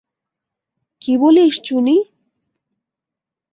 কী বলিস, চুনি।